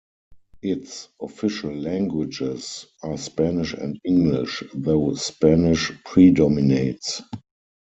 Its official languages are Spanish and English, though Spanish predominates.